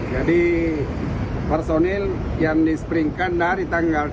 jadi personel yang dispringkan dari tanggal tiga